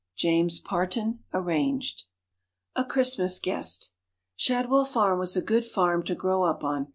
James Parton (Arranged) A CHRISTMAS GUEST Shadwell Farm was a good farm to grow up on.